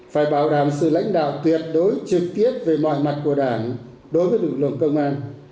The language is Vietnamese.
phải bảo đảm sự lãnh đạo tuyệt đối trực tiếp về mọi mặt của đảng đối với lực lượng công an